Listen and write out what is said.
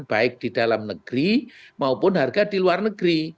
baik di dalam negeri maupun harga di luar negeri